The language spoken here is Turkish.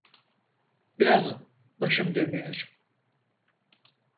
Biraz başım dönüyor.